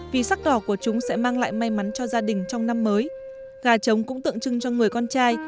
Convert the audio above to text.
vì sắc đỏ của chúng sẽ mang lại may mắn cho gia đình trong năm mới gà trống cũng tượng trưng cho người con trai